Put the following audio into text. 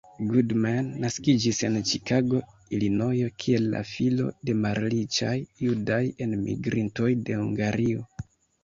Goodman naskiĝis en Ĉikago, Ilinojo kiel la filo de malriĉaj judaj enmigrintoj de Hungario.